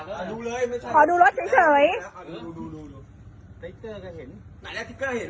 ค่ะขอดูรถเฉยค่ะ